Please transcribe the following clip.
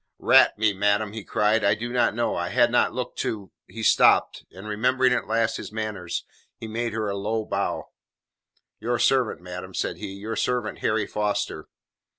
"Rat me, madam," he cried, "I did not know I had not looked to " He stopped, and remembering at last his manners he made her a low bow. "Your servant, madam," said he, "your servant Harry Foster."